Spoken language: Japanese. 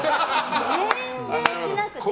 全然しなくて。